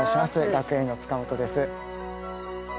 学芸員の塚本です。